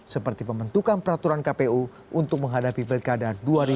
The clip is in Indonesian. seperti pembentukan peraturan kpu untuk menghadapi pilkada dua ribu dua puluh